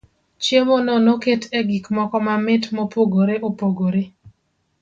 Chiemo no noket e gik moko mamit mopogore opogore.